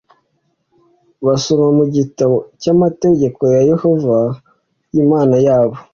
basoma mu gitabo cy amategeko ya Yehova Imana yabo